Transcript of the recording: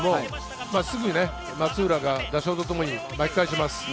すぐ松浦が打鐘と共に巻き返します。